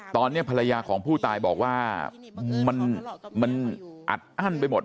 ตอนนี้ภรรยาของผู้ตายบอกว่ามันอัดอั้นไปหมด